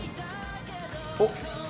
おっ？